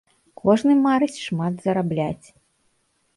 Кожны марыць шмат зарабляць.